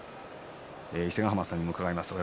伊勢ヶ濱さんにも伺います。